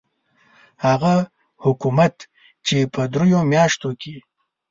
هغه حکومت چې په دریو میاشتو کې.